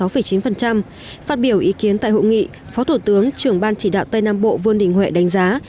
phát biểu ý kiến tại hội nghị phó thủ tướng trưởng ban chỉ đạo tây nam bộ vương đình huệ đánh giá